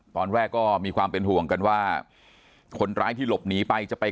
ตอนแรกก็มีความเป็นห่วงกันว่าคนร้ายที่หลบหนีไปจะไป